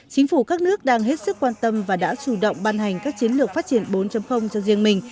chính phủ các nước đang hết sức quan tâm và đã chủ động ban hành các chiến lược phát triển bốn cho riêng mình